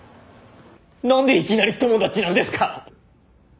なんでいきなり友達なんですか？